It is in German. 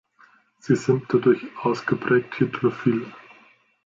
Sie sind dadurch ausgeprägt hydrophil.